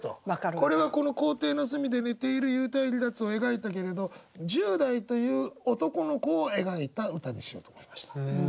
これは校庭の隅で寝ている幽体離脱を描いたけれど１０代という男の子を描いた歌にしようと思いました。